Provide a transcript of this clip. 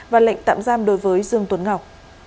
và lệnh tạm giam đối với dương tuấn ngọc